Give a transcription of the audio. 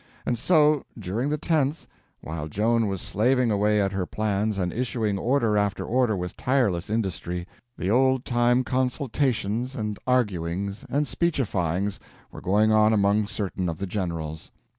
And so, during the 10th, while Joan was slaving away at her plans and issuing order after order with tireless industry, the old time consultations and arguings and speechifyings were going on among certain of the generals.